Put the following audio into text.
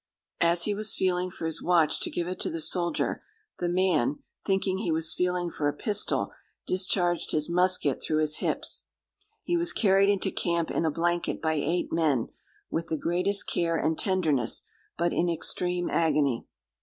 As he was feeling for his watch to give it to the soldier, the man, thinking he was feeling for a pistol, discharged his musket through his hips. He was carried into camp in a blanket by eight men, with the greatest care and tenderness, but in extreme agony.